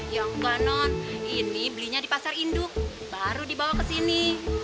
ya nggak non ini belinya di pasar induk baru dibawa ke sini